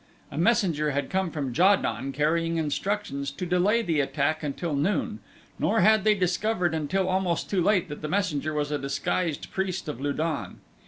A messenger had come from Ja don carrying instructions to delay the attack until noon, nor had they discovered until almost too late that the messenger was a disguised priest of Lu don.